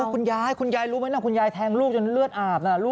คุณยายคุณยายรู้ไหมนะคุณยายแทงลูกจนเลือดอาบน่ะ